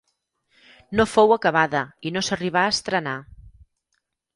No fou acabada i no s'arribà a estrenar.